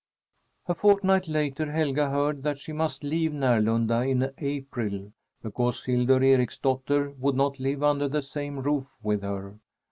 A fortnight later Helga heard that she must leave Närlunda in April because Hildur Ericsdotter would not live under the same roof with her.